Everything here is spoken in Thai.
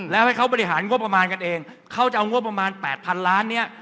แล้วให้เขาบริหารงบประมาณกันเองเขาจะเอางบประมาณ๘๐๐๐ล้านเนี่ย